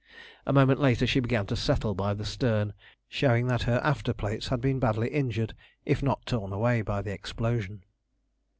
A moment later she began to settle by the stern, showing that her after plates had been badly injured, if not torn away by the explosion.